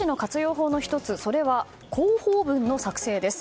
法の１つそれは、広報文の作成です。